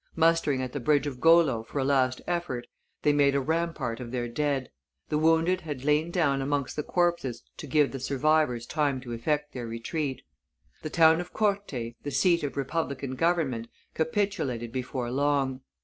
Mustering at the bridge of Golo for a last effort, they made a rampart of their dead; the wounded had lain down amongst the corpses to give the survivors time to effect their retreat. The town of Corte, the seat of republican government, capitulated before long.